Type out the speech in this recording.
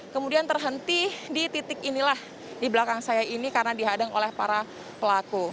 kemudian terhenti di titik inilah di belakang saya ini karena dihadang oleh para pelaku